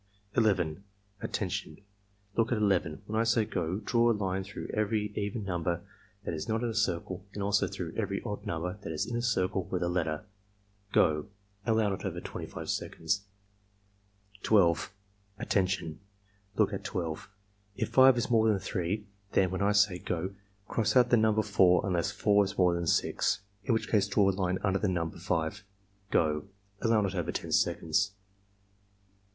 11. "Attention! Look at 11. When I say 'go' draw a line through every even number that is not in a circle and also through every odd number that is in a circle with a letter. — Go!" (Allow not over 25 seconds.) 12. "Attention! Look at 12. If 5 is more than 3, then (when I say 'go') cross out the number 4 unless 4 is more than 6, in which case draw a hne under the number 5. — Go!" (Allow not over 10 seconds.)